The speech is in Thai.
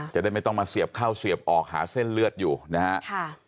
จะได้ไม่ต้องมาเสียบเข้าเสียบออกหาเส้นเลือดอยู่นะฮะ